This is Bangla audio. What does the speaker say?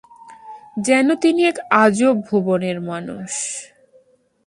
যেন তিনি এক আজব ভুবনের মানুষ।